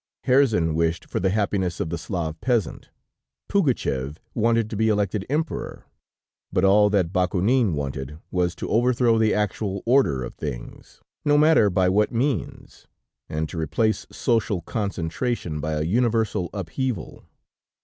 Herzen wished for the happiness of the Slav peasant; Pougatcheff wanted to be elected Emperor, but all that Bakounine wanted, was to overthrow the actual order of things, no matter by what means, and to replace social concentration by a universal upheaval.